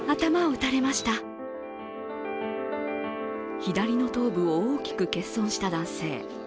左の頭部を大きく欠損した男性。